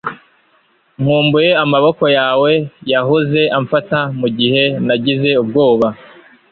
nkumbuye amaboko yawe yahoze amfata mugihe nagize ubwoba